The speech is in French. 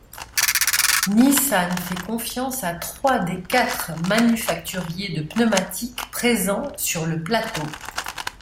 Nissan fait confiance à trois des quatre manufacturiers de pneumatiques présents sur le plateau.